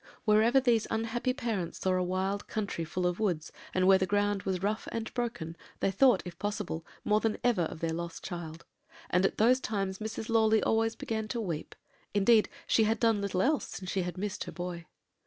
"Wherever these unhappy parents saw a wild country, full of woods, and where the ground was rough and broken, they thought, if possible, more than ever of their lost child; and at those times Mrs. Lawley always began to weep indeed, she had done little else since she had missed her boy.